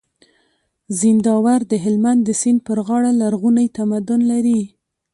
زينداور د هلمند د سيند پر غاړه لرغونی تمدن لري